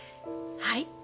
はい。